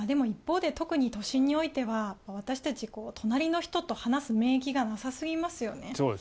一方で特に都心においては私たちは隣の人と話す免疫がなさすぎますよね。